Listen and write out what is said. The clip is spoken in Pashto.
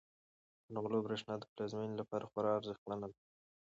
د نغلو برښنا د پلازمینې لپاره خورا ارزښتمنه ده.